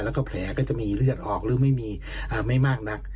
แล้วก็แผลก็จะมีเลือดออกหรือไม่มีไม่มากนัก